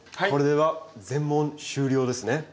これで全問終了ですね。